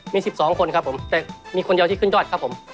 มี๑๒คนครับผมแต่มีคนเดียวที่ขึ้นยอดครับผม